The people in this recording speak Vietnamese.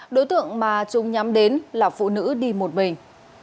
đối tượng mà chúng nhắm đến là phụ nữ đi một mình